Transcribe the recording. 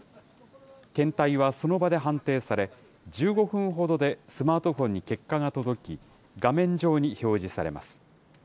検体はその場で判定され、１５分ほどでスマートフォンに結果が届き、画面上に表示されます。